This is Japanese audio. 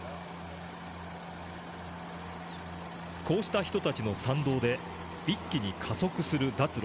こうした人たちの賛同で一気に加速する脱